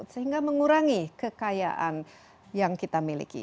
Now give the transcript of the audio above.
sehingga mengurangi kekayaan yang kita miliki